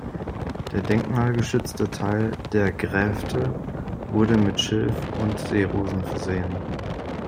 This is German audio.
Der denkmalgeschützte Teil der Gräfte wurde mit Schilf und Seerosen versehen.